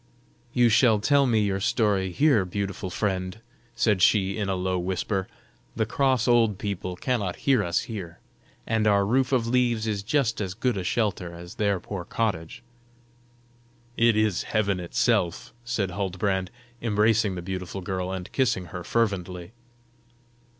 "You shall tell me your story here, beautiful friend," said she, in a low whisper; "the cross old people cannot hear us here: and our roof of leaves is just as good a shelter as their poor cottage." "It is heaven itself!" said Huldbrand, embracing the beautiful girl and kissing her fervently.